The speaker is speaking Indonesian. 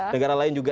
negara lain juga